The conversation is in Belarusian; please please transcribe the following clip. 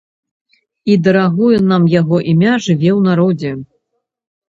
І дарагое нам яго імя жыве ў народзе.